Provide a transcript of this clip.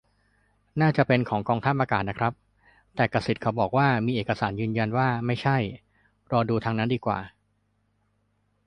น่าจะเป็นของกองทัพอากาศนะครับ แต่กษิตเขาบอกว่ามีเอกสารยืนยันว่าไม่ใช่ รอดูทางนั้นดีกว่า